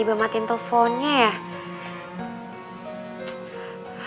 ibu mau berubah